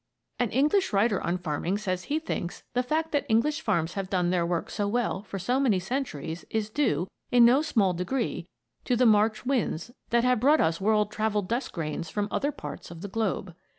An English writer on farming says he thinks the fact that English farms have done their work so well for so many centuries is due, in no small degree, to the March winds that have brought us world travelled dust grains from other parts of the globe.